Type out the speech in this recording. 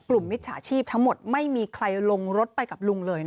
มิจฉาชีพทั้งหมดไม่มีใครลงรถไปกับลุงเลย